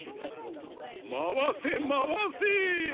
まわせまわせ。